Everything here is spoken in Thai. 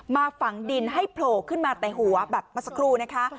ฝังดินให้โผล่ขึ้นมาแต่หัวแบบเมื่อสักครู่นะคะ